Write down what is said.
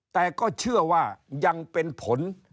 แต่ก็เชื่อว่ายังเป็นผล